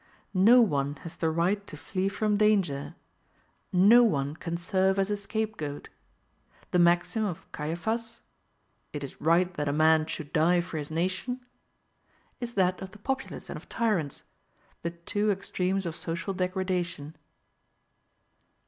No one has the right to flee from danger; no one can serve as a scapegoat. The maxim of Caiaphas IT IS RIGHT THAT A MAN SHOULD DIE FOR HIS NATION is that of the populace and of tyrants; the two extremes of social degradation.